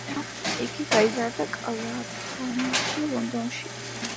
იგი გაიზარდა კლაფჰამში, ლონდონში.